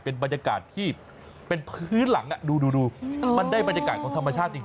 เป็นบรรยากาศที่เป็นพื้นหลังดูมันได้บรรยากาศของธรรมชาติจริง